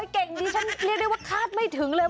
เก่งดิฉันเรียกได้ว่าคาดไม่ถึงเลย